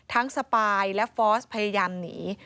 ทั้งสปายและฟอร์สพยายามหนี